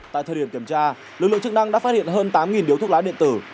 tại thời điểm kiểm tra lực lượng chức năng đã phát hiện hơn tám điếu thuốc lá điện tử